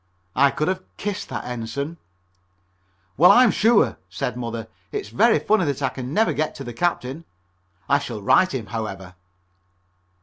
I could have kissed that Ensign. "Well, I'm sure," said Mother, "it's very funny that I can never get to the Captain. I shall write him, however."